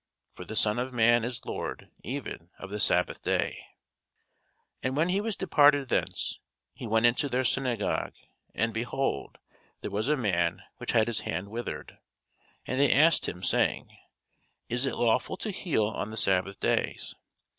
For the Son of man is Lord even of the sabbath day. [Sidenote: St. Luke 7] And when he was departed thence, he went into their synagogue: and, behold, there was a man which had his hand withered. And they asked him, saying, Is it lawful to heal on the sabbath days?